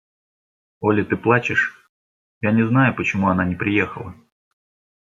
Оля, ты плачешь? – Я не знаю, почему она не приехала.